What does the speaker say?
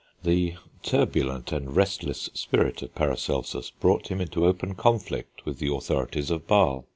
The turbulent and restless spirit of Paracelsus brought him into open conflict with the authorities of Basle.